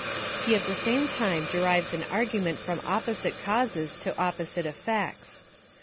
He at the same time derives an argument from ojiiDOsite causes to opposite effects.